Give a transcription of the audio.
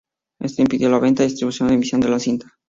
Esto impidió la venta, distribución o emisión de la cinta.